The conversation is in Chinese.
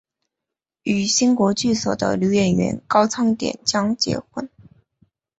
与新国剧所的女演员高仓典江结婚。